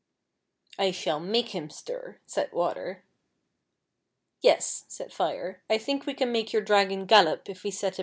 *' I shall make him stir," said Water. "Yes," said Fire, " I think we can make your Dragon gallop if we set about it."